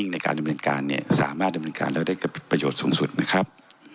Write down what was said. ในการดำเนินการเนี่ยสามารถดำเนินการแล้วได้ประโยชน์สูงสุดนะครับ